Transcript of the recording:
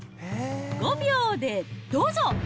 ５秒でどうぞ。